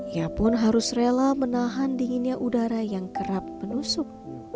ia pun harus rela menahan dinginnya udara yang kerap menusuk